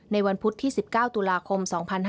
วันพุธที่๑๙ตุลาคม๒๕๕๙